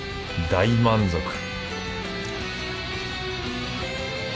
大満足